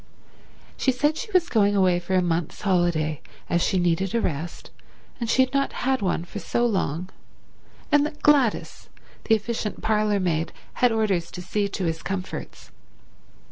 She said she was going for a month's holiday as she needed a rest and she had not had one for so long, and that Gladys, the efficient parlourmaid, had orders to see to his comforts.